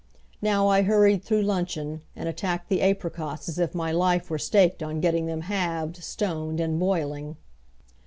Now I hurried through luncheon, and attacked the apricots as if my life were staked on getting them halved, stoned, and boiling.